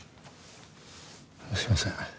すみません。